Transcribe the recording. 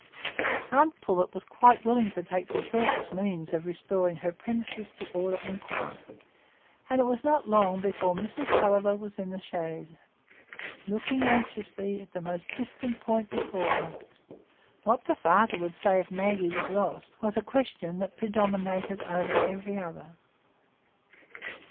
Aunt Pullet was quite willing to take the shortest means of restoring her premises to order and quiet, and it was not long before Mrs Tulliver was in the chaise, looking anxiously at the most distant point before her. What the father would say if Maggie was lost, was a question that predominated over every other.